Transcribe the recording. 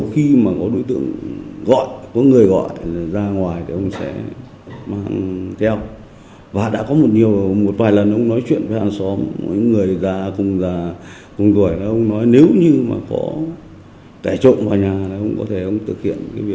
khi bắt giữ được những bài học cảnh giác cho người dân trong việc đấu tranh phòng chống tội phạm